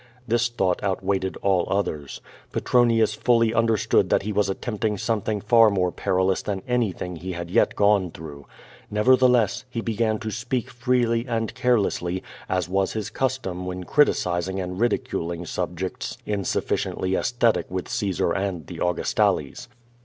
This thought outweighted all oth ers. Petronius fully understood that he was attempting something far more perilous than anything he had yet gone through. Nevertheless, he began to speak freely and care 0170 VADIS. 359 lessly, as was his custom when criticizing and ridiculing sub jects insufficiently aesthetic with Caesar and the Augustales.